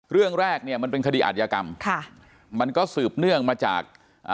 เรื่องแรกเนี่ยมันเป็นคดีอาจยากรรมค่ะมันก็สืบเนื่องมาจากอ่า